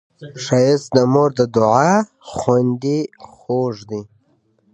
ښایست د مور د دعا غوندې خوږ دی